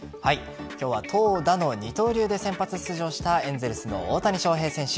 今日は投打の二刀流で先発出場したエンゼルスの大谷翔平選手。